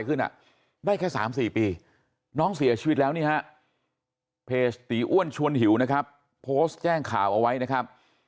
ได้แค่๓๔ปีน้องเสียชีวิตแล้วนี่ฮะเพจตีอ้วนชวนหิวนะครับโพสต์แจ้งข่าวเอาไว้นะครับ